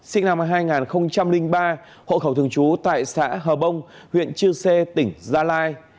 sinh năm hai nghìn ba hộ khẩu thường trú tại xã hờ bông huyện chư sê tỉnh gia lai